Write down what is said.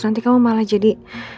nanti kamu malah jadi